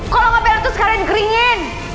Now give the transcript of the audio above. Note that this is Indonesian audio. kalo gak biar tuh sekarang dikeringin